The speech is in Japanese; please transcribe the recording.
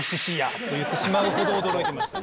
と言ってしまうほど驚いてました。